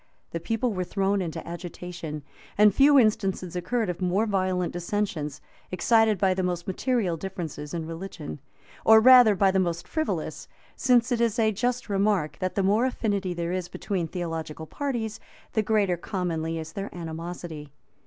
The people were thrown into agitation; and few instances occur of more violent dissensions, excited by the most material differences in religion; or rather by the most frivolous; since it is a just remark, that the more affinity there is between theological parties, the greater commonly is their animosity.